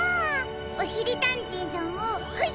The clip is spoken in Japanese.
おしりたんていさんもはい。